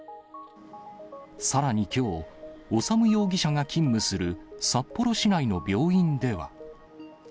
さらにきょう、修容疑者が勤務する札幌市内の病院では。